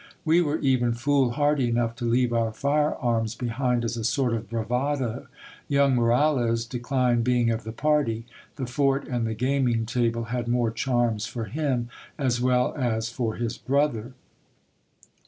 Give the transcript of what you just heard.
We were even fool hardy enough to leave our fire arms behind as a sort of bravado. Young Moralez declined being of the party : the fort and the gaming table had more charms for him, as well as for his brother.